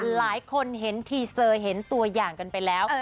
หลายคนเห็นทีเซอร์เห็นตัวอย่างกันไปแล้ว